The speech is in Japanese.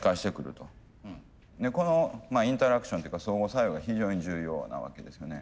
このインタラクションっていうか相互作用が非常に重要なわけですよね。